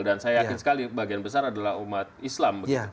dan saya yakin sekali bagian besar adalah umat islam